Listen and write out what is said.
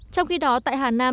trong khi đó tại hà nam